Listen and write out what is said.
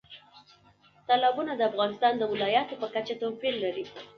تالابونه د افغانستان د ولایاتو په کچه توپیر لري.